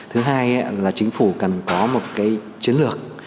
thứ hai chính phủ cần có một chiến lược